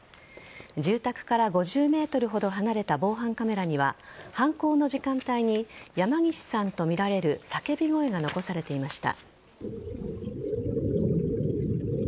住宅から５０ｍほど離れた防犯カメラには犯行の時間帯に山岸さんとみられる叫び声が残されていました。